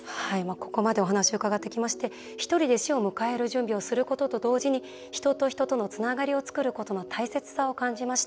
ここまでお話を伺ってきましてひとりで死を迎える準備をすることと同時に人と人とのつながりを作ることの大切さを感じました。